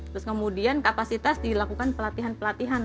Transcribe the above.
terus kemudian kapasitas dilakukan pelatihan pelatihan